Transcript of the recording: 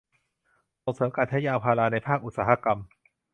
ส่งเสริมการใช้ยางพาราในภาคอุตสาหกรรม